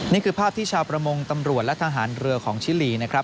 นี่คือภาพที่ชาวประมงตำรวจและทหารเรือของชิลีนะครับ